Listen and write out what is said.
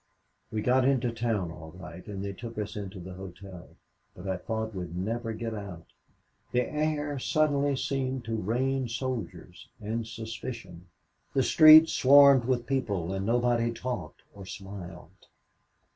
We got into town all right and they took us into the hotel, but I thought we'd never get out. The air suddenly seemed to rain soldiers and suspicion the street swarmed with people and nobody talked or smiled.